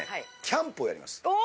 キャンプをやります。